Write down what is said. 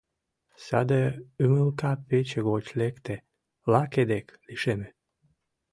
Саде ӱмылка пече гоч лекте, лаке дек лишеме.